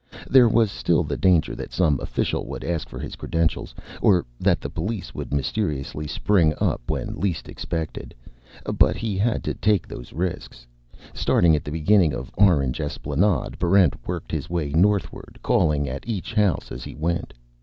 There was still the danger that some official would ask for his credentials, or that the police would mysteriously spring up when least expected. But he had to take those risks. Starting at the beginning of Orange Esplanade, Barrent worked his way northward, calling at each house as he went.